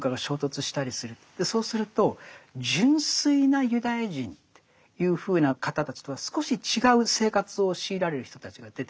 そうすると純粋なユダヤ人というふうな方たちとは少し違う生活を強いられる人たちが出てくる。